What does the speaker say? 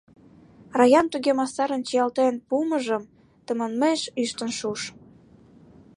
Раян туге мастарын чиялтен пуымыжым тыманмеш ӱштын шуыш.